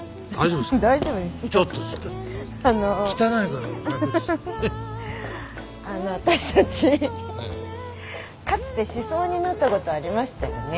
かつてしそうになったことありましたよね？